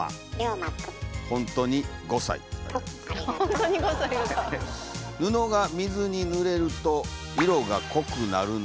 なんで服が水にぬれると色が濃くなるの？